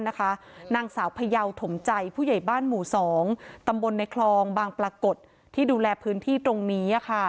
นางสาวพยาวถมใจผู้ใหญ่บ้านหมู่๒ตำบลในคลองบางปรากฏที่ดูแลพื้นที่ตรงนี้